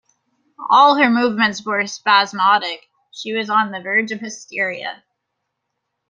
All her movements were spasmodic; she was on the verge of hysteria.